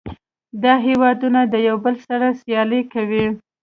دا هیوادونه د یو بل سره سیالي کوي